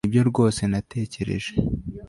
nibyo rwose natekereje